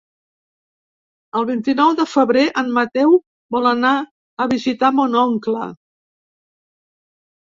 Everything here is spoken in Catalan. El vint-i-nou de febrer en Mateu vol anar a visitar mon oncle.